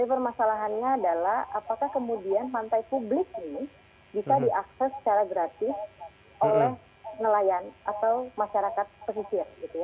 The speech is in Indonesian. permasalahannya adalah apakah kemudian pantai publik ini bisa diakses secara gratis oleh nelayan atau masyarakat pesisir